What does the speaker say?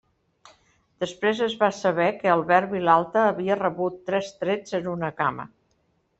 Després es va saber que Albert Vilalta havia rebut tres trets en una cama.